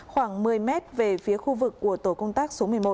khoảng một mươi m về phía khu vực của tổ công tác số một mươi một